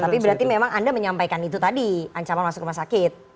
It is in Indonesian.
tapi berarti memang anda menyampaikan itu tadi ancaman masuk rumah sakit